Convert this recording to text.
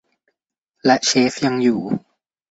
และเชฟยังอยู่